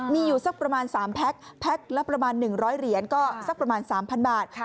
มีอยู่สักประมาณ๓แพ็คแพ็คละประมาณ๑๐๐เหรียญก็สักประมาณ๓๐๐บาท